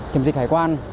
kiểm dịch hải quan